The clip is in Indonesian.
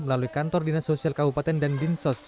melalui kantor dinas sosial kabupaten dan dinsos